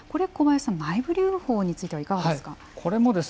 小林さん、内部留保についてはいかがですか？